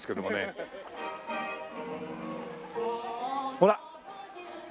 ほら。